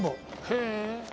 へえ。